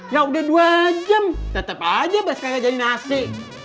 ya udah dua jam tetep aja baskal jadi nasi